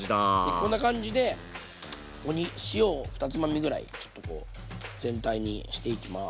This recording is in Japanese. こんな感じでここに塩を２つまみぐらいちょっとこう全体にしていきます。